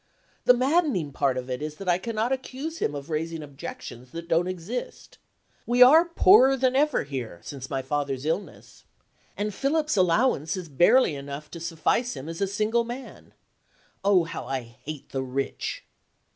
The maddening part of it is that I cannot accuse him of raising objections that don't exist. We are poorer than ever here, since my father's illness and Philip's allowance is barely enough to suffice him as a single man. Oh, how I hate the rich!